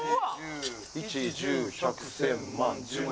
一十百千万十万。